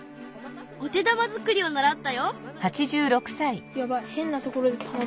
お手玉作りを習ったよ。